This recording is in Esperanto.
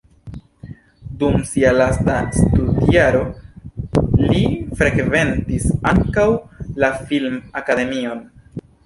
Dum sia lasta studjaro li frekventis ankaŭ la film-akademion.